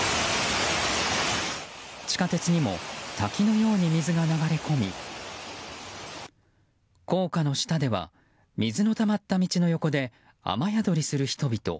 地下鉄にも滝のように水が流れ込み高架の下では水のたまった道の横で雨宿りする人々。